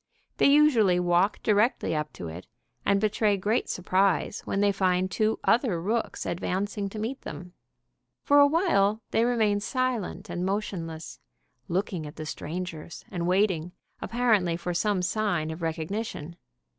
They usually walk directly up to it, and betray great surprise when they find two other rooks advancing to meet them. For a while they remain silent and motionless, looking at the strangers, and waiting, apparently, for some sign of recognition.